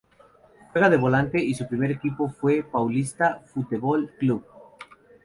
Juega de volante y su primer equipo fue Paulista Futebol Clube.